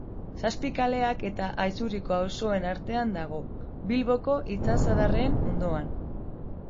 Zazpikaleak eta Atxuriko auzoen artean dago, Bilboko itsasadarraren ondoan.